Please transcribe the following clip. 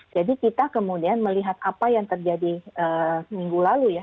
jadi kita kemudian melihat apa yang terjadi minggu lalu ya